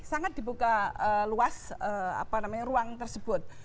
sangat dibuka luas ruang tersebut